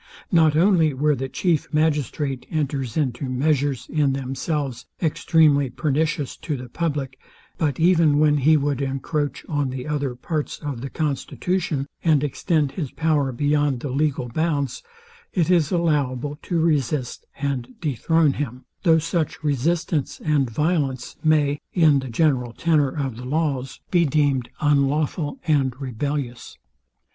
Not only where the chief magistrate enters into measures, in themselves, extremely pernicious to the public, but even when he would encroach on the other parts of the constitution, and extend his power beyond the legal bounds, it is allowable to resist and dethrone him; though such resistance and violence may, in the general tenor of the laws, be deemed unlawful and rebellious.